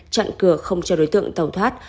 chặn cửa không cho đối tượng tàu thoát